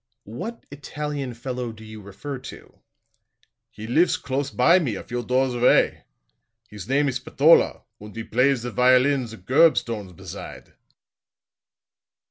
"What Italian fellow do you refer to?" "He lifs close by me, a few doors away. His name is Spatola, und he plays the violin the gurb stones beside."